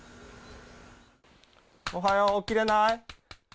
おはよう、起きれない？